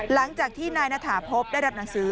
หลังจากที่นายณฑาพบุญทองโทได้รับหนังสือ